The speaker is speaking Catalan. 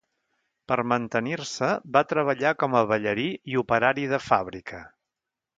Per mantenir-se, va treballar com a ballarí i operari de fàbrica.